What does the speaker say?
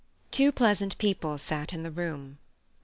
Two pleasant people sat in the room.